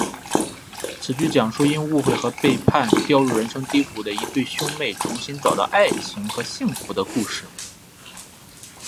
此剧讲述因误会和背叛掉进人生低谷的一对兄妹重新找到爱情和幸福的故事。